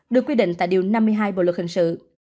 được quy định tại điều năm mươi hai bộ luật hình sự